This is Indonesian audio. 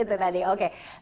itu tadi oke